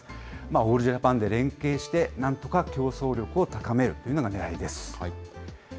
オールジャパンで、連携してなんとか競争力を高めるというのがねらいです。